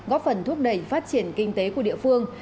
góp phần thúc đẩy phát triển kinh tế của địa phương